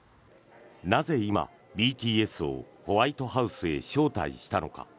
なぜ今、ＢＴＳをホワイトハウスへ招待したのか。